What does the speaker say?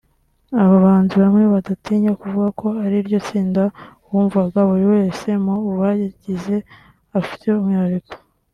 Aba bahanzi bamwe badatinya kuvuga ko ariryo tsinda wumvaga buri wese mu barigize afite umwihariko